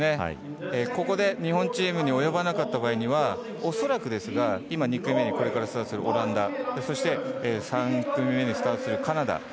ここで日本チームに及ばなかった場合には恐らくですが、２組目これからスタートするオランダそして、３組目にスタートするカナダ。